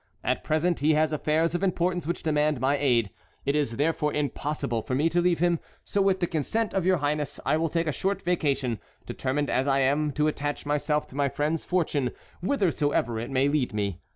At present he has affairs of importance which demand my aid. It is therefore impossible for me to leave him. So with the consent of your highness I will take a short vacation, determined as I am to attach myself to my friend's fortune, whithersoever it may lead me.